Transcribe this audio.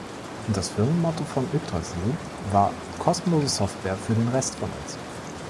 Das Firmenmotto von Yggdrasil war „Kostenlose Software für den Rest von uns“.